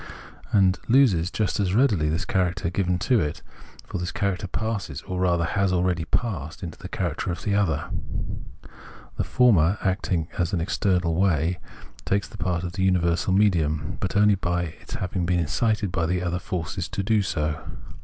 And it loses just as readily this character given to it, for this character passes, or rather has already passed, into the character of the other. The former, acting in an external way, takes the part of universal medium, but only by its having been incited by the other force to do so.